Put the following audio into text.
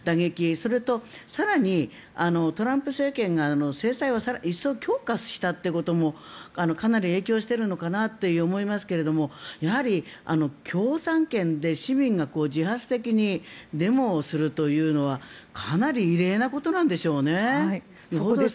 それと、更にトランプ政権が制裁を一層強化したということもかなり影響してるのかなと思いますけれどもやはり、共産圏で市民が自発的にデモをするというのはかなり異例なことなんでしょうね。